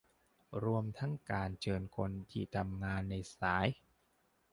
รวมทั้งการเชิญคนที่ทำงานในสาย